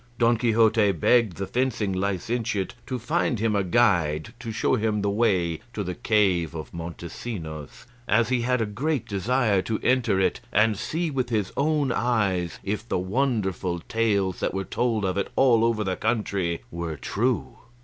Don Quixote begged the fencing licentiate to find him a guide to show him the way to the cave of Montesinos, as he had a great desire to enter it and see with his own eyes if the wonderful tales that were told of it all over the country were true.